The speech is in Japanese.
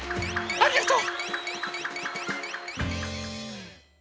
ありがとう。